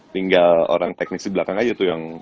tinggal orang teknis di belakang aja